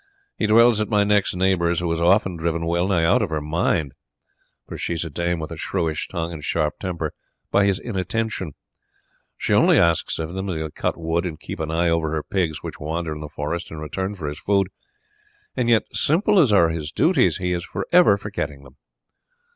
He dwells at my next neighbour's, who is often driven well nigh out of her mind for she is a dame with a shrewish tongue and sharp temper by his inattention. She only asks of him that he will cut wood and keep an eye over her pigs, which wander in the forest, in return for his food; and yet, simple as are his duties, he is for ever forgetting them.